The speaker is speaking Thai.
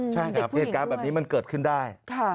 ใช่ครับเหตุการณ์แบบนี้มันเกิดขึ้นได้